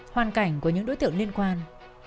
hoàn cảnh của những đối tượng liên quan